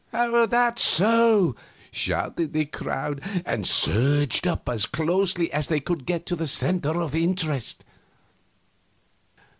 "That's so!" shouted the crowd, and surged up as closely as they could to the center of interest.